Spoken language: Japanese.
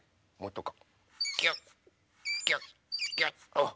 あっ！